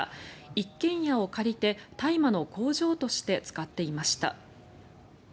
一軒家を借りて大麻の工場として使っていました。